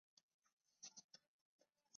阿克和瑟南站门口设有社会车辆停车场。